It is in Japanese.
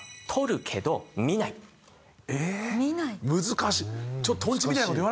難しい。